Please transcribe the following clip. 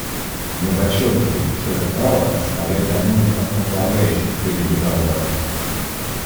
Мы подчеркиваем, что это право составляет одну из основополагающих целей Договора.